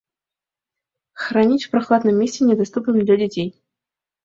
Хранить в прохладном месте, недоступном для детей.